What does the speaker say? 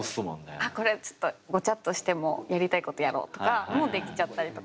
あっこれちょっとごちゃっとしてもとかもできちゃったりとか。